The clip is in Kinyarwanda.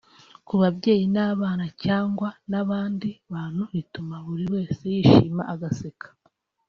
ku babyeyi n’abana cyangwa n’abandi bantu bituma buri wese yishima agaseka